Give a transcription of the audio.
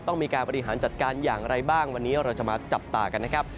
ต้องมีการบริหารจัดการอย่างไรบ้างวันนี้เราจะมาจับตากันนะครับ